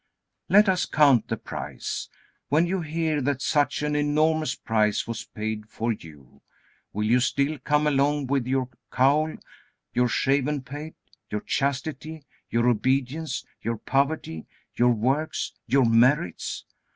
Let us count the price. When you hear that such an enormous price was paid for you, will you still come along with your cowl, your shaven pate, your chastity, your obedience, your poverty, your works, your merits?